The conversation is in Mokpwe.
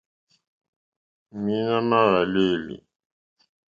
Mǐīnā má hwàlêlì.